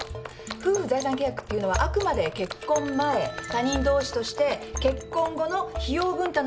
夫婦財産契約っていうのはあくまで結婚前他人同士として結婚後の費用分担の契約を交わしたってことだから。